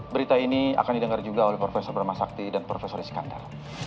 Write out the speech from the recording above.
berita ini akan didengar juga oleh profesor bermasakti dan profesor iskandar